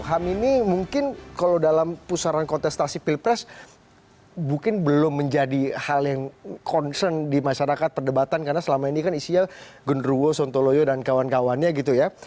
ham ini mungkin kalau dalam pusaran kontestasi pilpres mungkin belum menjadi hal yang concern di masyarakat perdebatan karena selama ini kan isinya genruwo sontoloyo dan kawan kawannya gitu ya